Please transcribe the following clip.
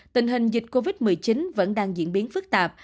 tình hình dịch covid một mươi chín vẫn đang diễn biến phức tạp